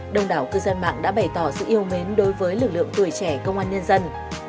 đông đảo cư dân mạng đã bày tỏ sự yêu mến đối với lực lượng tuổi trẻ công an nhân dân